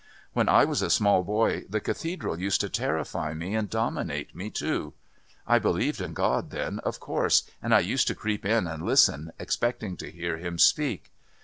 When I was a small boy the Cathedral used to terrify me and dominate me too. I believed in God then, of course, and I used to creep in and listen, expecting to hear Him speak.